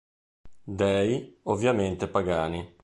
Dei, ovviamente, pagani.